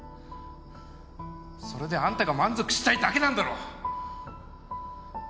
それであんたが満足したいだけなんだろ！